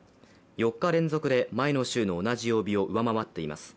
４日連続で前の週の同じ曜日を上回っています。